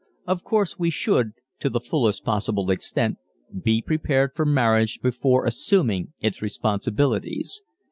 Of course we should, to the fullest possible extent, be prepared for marriage before assuming its responsibilities.